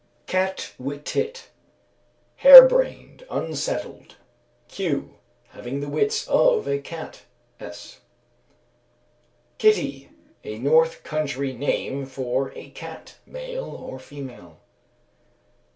Catwittit. Harebrained, unsettled; q., having the wits of a cat (S.). Kittie. A North country name for a cat, male or female.